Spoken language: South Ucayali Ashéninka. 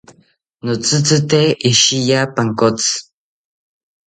Notzitzite ishiya pankotzi